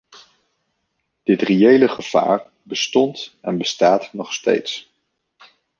Dit reële gevaar bestond en bestaat nog steeds.